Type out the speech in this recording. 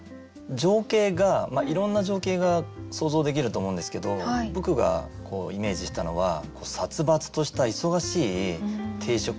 情景がいろんな情景が想像できると思うんですけど僕がイメージしたのは殺伐とした忙しい定食屋さん。